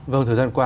vâng thời gian qua